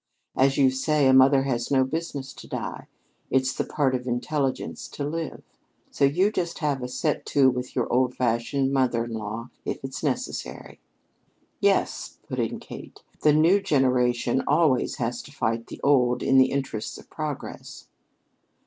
As you say, a mother has no business to die; it's the part of intelligence to live. So you just have a set to with your old fashioned mother in law if it's necessary." "Yes," put in Kate, "the new generation always has to fight the old in the interests of progress."